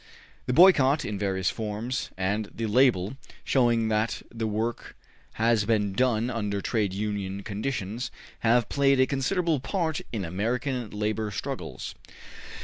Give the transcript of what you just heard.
The boycott, in various forms, and the label, showing that the work has been done under trade union conditions, have played a considerable part in American labor struggles.